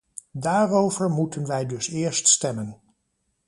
Daarover moeten wij dus eerst stemmen.